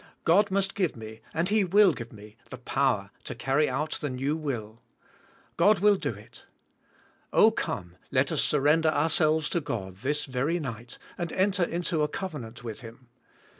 God must g"ive me, and He will g"ive me, the power to carry out the new will. God will do it. Oh come, let us surrender ourselves to God this very night, and enter into a covenant with Him.